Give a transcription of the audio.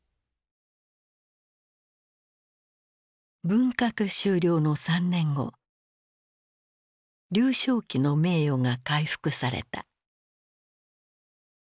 文革終了の３年後劉少奇の名誉が回復された。